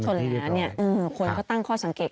ชนแล้วคนก็ตั้งข้อสังเกต